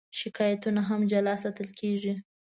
شکایتونه هم جلا ساتل کېږي.